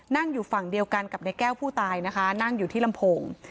นั่งอยู่ฝั่งเดียวกันกับในแก้วผู้ตายนะคะนั่งอยู่ที่ลำโพง